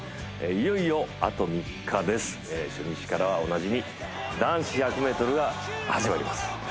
いよいよあと３日です初日からおなじみ男子１００ｍが始まります